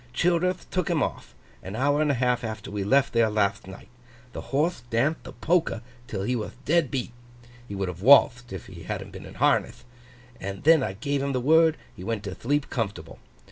Childerth took him off, an hour and a half after we left there latht night. The horthe danthed the polka till he wath dead beat (he would have walthed if he hadn't been in harneth), and then I gave him the word and he went to thleep comfortable.